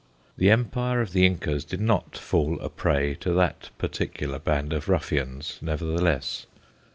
The empire of the Incas did not fall a prey to that particular band of ruffians, nevertheless.